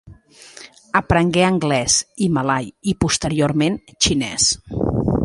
Aprengué anglès i malai i posteriorment xinès.